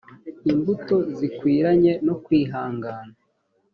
imbuto zikwiranye no kwihana